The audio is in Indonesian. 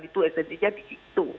itu esensinya di situ